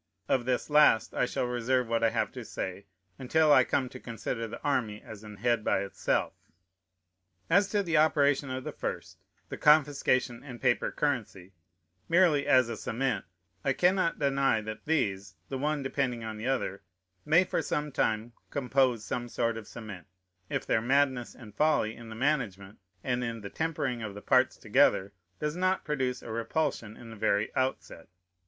Of this last I shall reserve what I have to say, until I come to consider the army as an head by itself. As to the operation of the first (the confiscation and paper currency) merely as a cement, I cannot deny that these, the one depending on the other, may for some time compose some sort of cement, if their madness and folly in the management, and in the tempering of the parts together, does not produce a repulsion in the very outset.